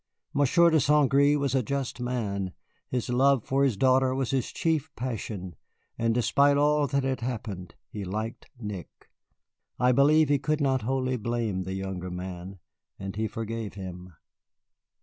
Monsieur de St. Gré was a just man, his love for his daughter was his chief passion, and despite all that had happened he liked Nick. I believe he could not wholly blame the younger man, and he forgave him.